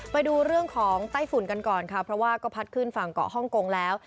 ไปดูเรื่องของไต้ฝุ่นกันก่อนค่ะเพราะว่าก็พัดขึ้นฝั่งเกาะฮ่องกงแล้ว